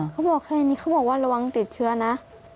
เขาบอกแค่นี้เขาบอกว่าระวังติดเชื้อนะ